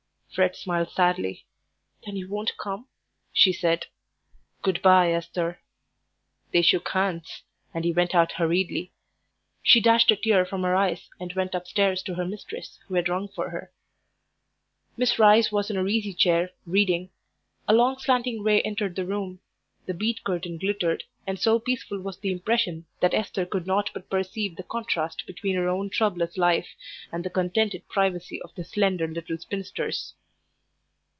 Fred smiled sadly. "Then you won't come?" she said. "Good bye, Esther." They shook hands, and he went out hurriedly. She dashed a tear from her eyes, and went upstairs to her mistress, who had rung for her. Miss Rice was in her easy chair, reading. A long, slanting ray entered the room; the bead curtain glittered, and so peaceful was the impression that Esther could not but perceive the contrast between her own troublous life and the contented privacy of this slender little spinster's.